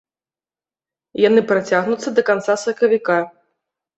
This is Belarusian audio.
Яны працягнуцца да канца сакавіка.